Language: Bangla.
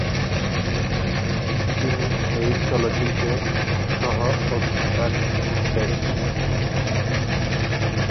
তিনি এই চলচ্চিত্রে সহ- অভিনেতার ভুমিকায় ছিলেন।